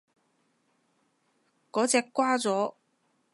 嗰隻掛咗